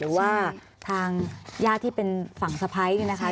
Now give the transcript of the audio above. หรือว่าทางญาติที่เป็นฝั่งสะพ้ายเนี่ยนะคะ